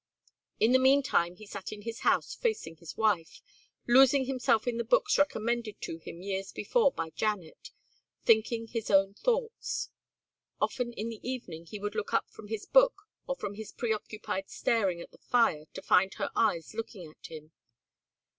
In the meantime he sat in his house facing his wife, losing himself in the books recommended to him years before by Janet, thinking his own thoughts. Often in the evening he would look up from his book or from his preoccupied staring at the fire to find her eyes looking at him.